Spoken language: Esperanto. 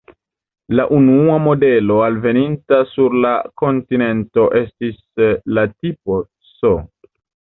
La unua modelo alveninta sur la kontinento estis la "Tipo C".